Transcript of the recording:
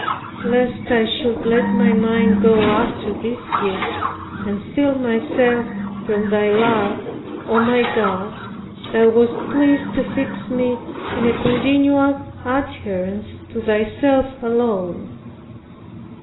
Lest I should let my mind go after these gifts, and steal myself from thy love, O my God, Thou wast pleased to fix me in a continual adherence to Thyself alone.